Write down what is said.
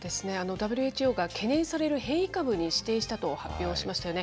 ＷＨＯが懸念される変異株に指定したと発表しましたよね。